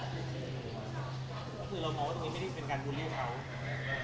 ก็คือเรามองว่าตรงนี้ไม่ได้เป็นการบูลลี่เขา